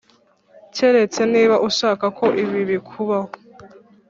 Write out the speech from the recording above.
keretse niba ushaka ko ibi bikubaho.